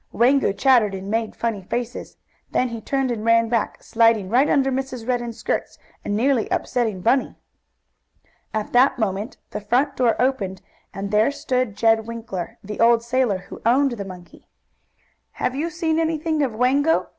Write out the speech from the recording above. Wango chattered, and made funny faces. Then he turned and ran back, sliding right under Mrs. Redden's skirts, and nearly upsetting Bunny. At that moment the front door opened, and there stood Jed Winkler, the old sailor, who owned the monkey. "Have you seen anything of Wango?"